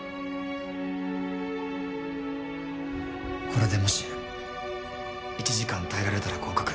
これでもし１時間耐えられたら合格。